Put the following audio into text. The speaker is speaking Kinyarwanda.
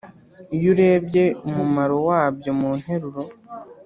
iyo urebye umumaro wabyo mu nteruro,